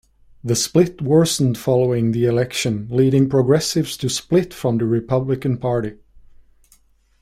The split worsened following the election, leading progressives to split from the Republican party.